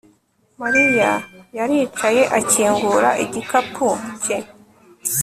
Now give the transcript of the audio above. Mariya yaricaye akingura igikapu cye